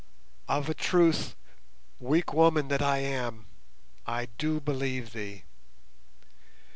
"Of a truth, weak woman that I am, I do believe thee.